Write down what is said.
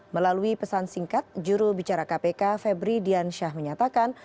melalui pesan singkat juru bicara kpk febri diansyah menyatakan